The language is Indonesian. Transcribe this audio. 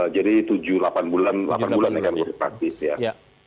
jadi tujuh delapan bulan delapan bulan ya kan berpartis ya